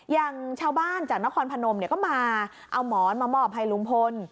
อย่างชาวบ้านจากนครพนมก็มาเอาหมอนมามอบให้ลุงพล